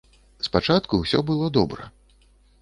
Спачатку ўсё было добра.